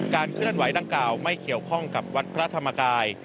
เคลื่อนไหดังกล่าวไม่เกี่ยวข้องกับวัดพระธรรมกาย